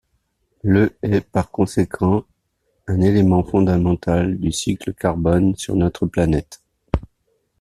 Le est par conséquent un élément fondamental du cycle du carbone sur notre planète.